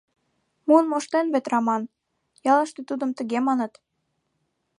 Муын моштен вет Раман — ялыште тудым тыге маныт.